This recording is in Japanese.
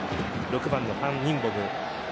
６番のファン・インボム。